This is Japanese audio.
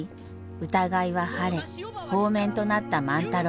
疑いは晴れ放免となった万太郎。